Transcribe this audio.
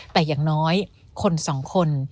แต่อย่างน้อยคนสองคน